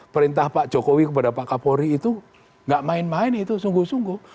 perintah pak jokowi kepada pak kapolri itu gak main main itu sungguh sungguh